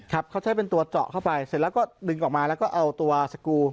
ครับเขาใช้เป็นตัวเจาะเข้าไปเสร็จแล้วก็ดึงออกมาแล้วก็เอาตัวสกูล